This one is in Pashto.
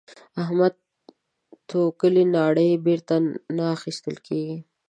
احمده؛ توکلې ناړې بېرته نه اخيستل کېږي.